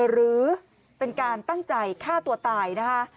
หรือเป็นการตั้งใจฆ่าตัวตายนะคะ